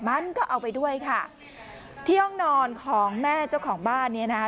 มันก็เอาไปด้วยค่ะที่ห้องนอนของแม่เจ้าของบ้านเนี้ยนะคะ